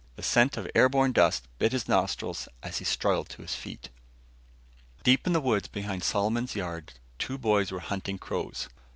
The scent of air borne dust bit his nostrils as he struggled to his feet. Deep in the woods behind Solomon's yard two boys were hunting crows.